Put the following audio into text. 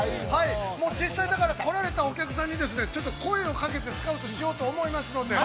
実際来られたお客さんに声をかけてスカウトしようと思いますので。